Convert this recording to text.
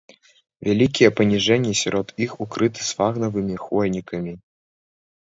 Вялікія паніжэнні сярод іх укрыты сфагнавымі хвойнікамі.